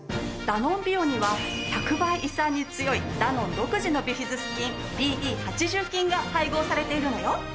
ダノンビオには１００倍胃酸に強いダノン独自のビフィズス菌ＢＥ８０菌が配合されているのよ。